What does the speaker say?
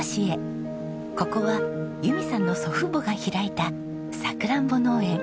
ここは由美さんの祖父母が開いたさくらんぼ農園。